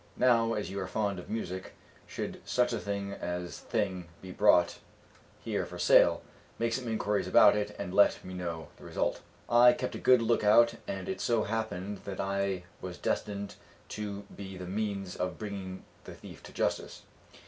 Now, as you are fond of music, should such a thing as this be brought here for sale, make some inquiries about it and let me know the result." I kept a good look out and it so happened that I was destined to be the means of bringing the thief to justice.